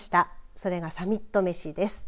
それがサミット飯です。